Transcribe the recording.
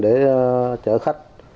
để chở khách